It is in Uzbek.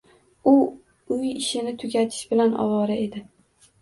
U uy ishini tugatish bilan ovora edi